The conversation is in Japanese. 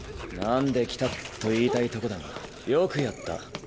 なんで来た？と言いたいとこだがよくやった。